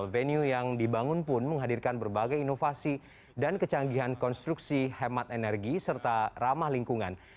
venue yang dibangun pun menghadirkan berbagai inovasi dan kecanggihan konstruksi hemat energi serta ramah lingkungan